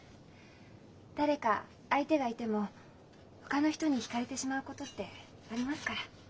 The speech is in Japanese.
誰か相手がいてもほかの人にひかれてしまうことってありますから。